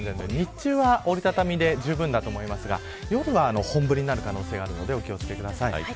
日中は折り畳みでじゅうぶんだと思いますが夜は本降りになる可能性があるのでお気を付けください。